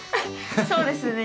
そうですね。